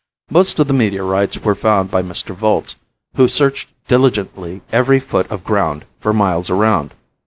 Most of the meteorites were found by Mr. Volz, who searched diligently every foot of ground for miles around.